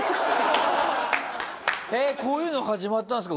こういうの始まったんですか。